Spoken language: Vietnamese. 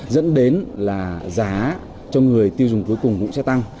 dẫn đến là giá cho người tiêu dùng cuối cùng cũng sẽ tăng